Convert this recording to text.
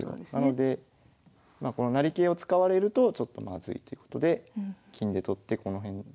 なのでこの成桂を使われるとちょっとまずいということで金で取ってこの辺ブロックしていますね。